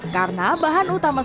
karena bahan utamanya